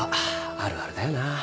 あるあるだよな。